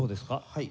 はい。